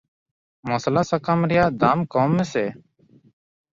ᱢᱚᱥᱞᱟ ᱥᱟᱠᱟᱢ ᱨᱮᱭᱟᱜ ᱫᱟᱢ ᱠᱚᱢ ᱢᱮ ᱥᱮ ᱾